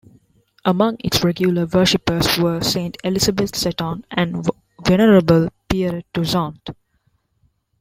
Among its regular worshippers were Saint Elizabeth Seton and Venerable Pierre Toussaint.